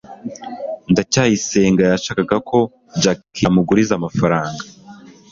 ndacyayisenga yashakaga ko jaki amuguriza amafaranga